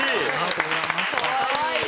かわいい。